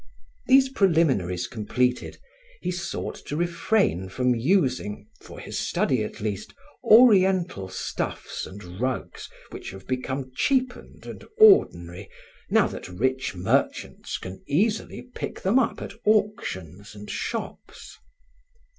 These preliminaries completed, he sought to refrain from using, for his study at least, oriental stuffs and rugs which have become cheapened and ordinary, now that rich merchants can easily pick them up at auctions and shops.